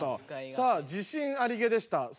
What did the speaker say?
さあ自信ありげでしたソノマ。